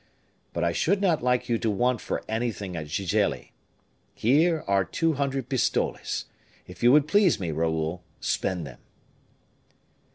But I should not like you to want for anything at Gigelli. Here are two hundred pistoles; if you would please me, Raoul, spend them."